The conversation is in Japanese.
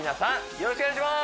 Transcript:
よろしくお願いします！